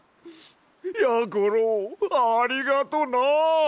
やころありがとな！